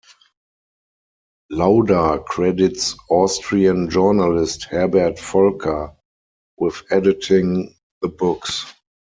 Lauda credits Austrian journalist Herbert Volker with editing the books.